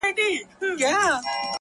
زما ونه له تا غواړي راته؛